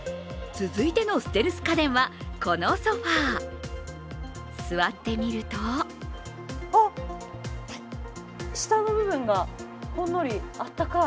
続いてのステルス家電はこのソファー、座ってみるとあっ、下の部分がほんのり暖かい。